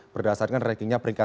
berdasarkan rankingnya peringkat satu